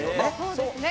そうですね。